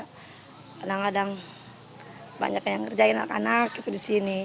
kadang kadang banyak yang ngerjain anak anak gitu di sini